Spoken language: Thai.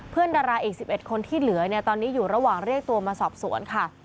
ดาราอีก๑๑คนที่เหลือเนี่ยตอนนี้อยู่ระหว่างเรียกตัวมาสอบสวนค่ะ